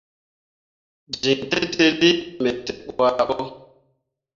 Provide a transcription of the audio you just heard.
Jin tǝtǝlli me tevbu fah ɓo.